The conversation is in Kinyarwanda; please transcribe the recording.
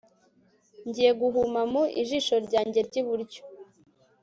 Ngiye guhuma mu jisho ryanjye ryiburyo